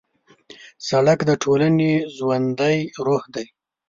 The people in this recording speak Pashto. سړک د ټولنې ژوندی روح دی.